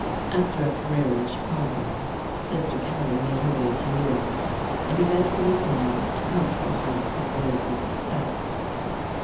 After a career in Chicago, Sister Carrie made her way to New York, and eventually climbed to comfortable heights of worldly success.